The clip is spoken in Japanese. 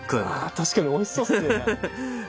確かに美味しそうっすね。